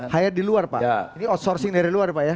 high di luar pak ini outsourcing dari luar pak ya